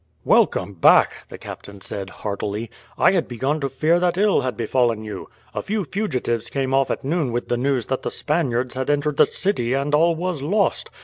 "Welcome back," the captain said heartily. "I had begun to fear that ill had befallen you. A few fugitives came off at noon with the news that the Spaniards had entered the city and all was lost.